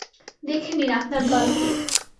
দেখে নিন আপনার দলকে।